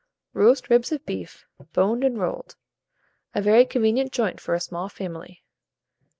ROAST RIBS OF BEEF, Boned and Rolled (a very Convenient Joint for a Small Family).